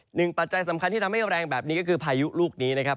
ปัจจัยสำคัญที่ทำให้แรงแบบนี้ก็คือพายุลูกนี้นะครับ